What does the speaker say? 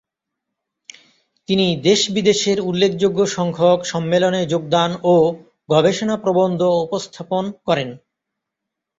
তিনি দেশ-বিদেশের উল্লেখযোগ্য সংখ্যক সম্মেলনে যোগদান ও গবেষণা প্রবন্ধ উপস্থাপন করেন।